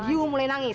anda mulai menangis